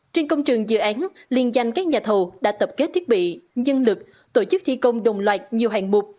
trên công trường dự án liên danh các nhà thầu đã tập kết thiết bị nhân lực tổ chức thi công đồng loạt nhiều hạng mục